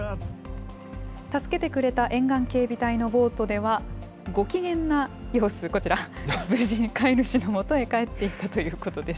助けてくれた沿岸警備隊のボートでは、ご機嫌な様子、こちら、無事に飼い主のもとへ帰っていったということです。